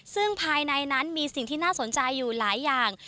ซึ่งภายในนั้นมีสิ่งที่น่าสนใจอยู่หลายอย่าง